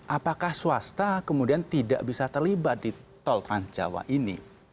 apakah swasta kemudian tidak bisa terlibat di tol trans jawa ini